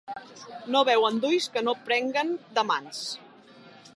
No veuen d'ulls que no prenguen de mans.